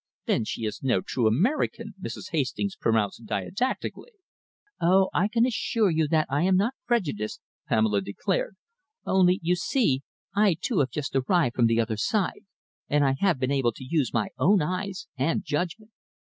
"Then she is no true American," Mrs. Hastings pronounced didactically. "Oh, I can assure you that I am not prejudiced," Pamela declared, "only, you see, I, too, have just arrived from the other side, and I have been able to use my own eyes and judgment.